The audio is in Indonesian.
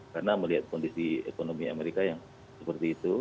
karena melihat kondisi ekonomi amerika yang seperti itu